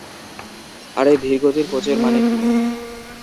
আর এই ধীরগতির কোচের মানে কি?